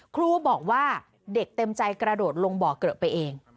ครูบอกว่าเด็กเต็มใจกระโดดลงบ่อเกลอะไปเอง